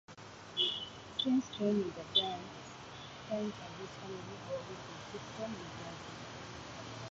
Since joining the Giants, Tynes and his family have lived in Clifton, New Jersey.